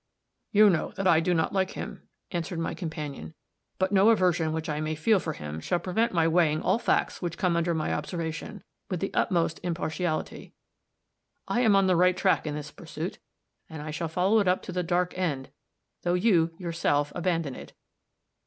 "You know that I do not like him," answered my companion. "But no aversion which I may feel for him shall prevent my weighing all facts which come under my observation, with the utmost impartiality. I am on the right track, in this pursuit, and I shall follow it up to the dark end, though you, yourself, abandon it.